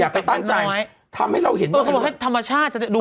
อย่าไปตั้งใจทำให้เราเห็นเออเขาบอกให้ธรรมชาติมันจะโดย